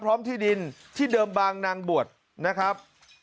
ที่ดินที่เดิมบางนางบวชนะครับ